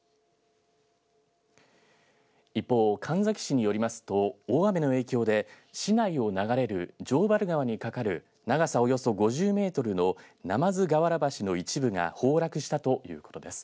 一方、神埼市によりますと大雨の影響で市内を流れる城原川に架かる長さおよそ５０ｍの鯰河原橋の一部が崩落したということです。